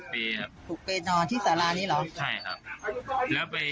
ผูกเปรย์นอนที่สารานี้หรอ